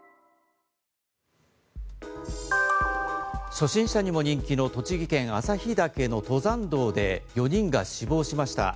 初心者にも人気の栃木県・朝日岳の登山道で４人が死亡しました。